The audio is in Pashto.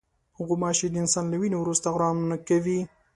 غوماشې د انسان له وینې وروسته آرام نه کوي.